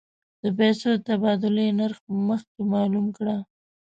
د پیسو د تبادلې نرخ مخکې معلوم کړه.